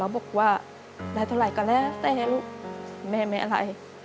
บอกว่าได้เท่าไหร่ก็แล้วแต่นะลูกแม่ไม่อะไร